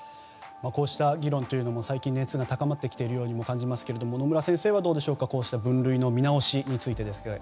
こうした議論も最近熱が高まってきていますが野村先生、どうでしょうかこうした分類の見直しについて。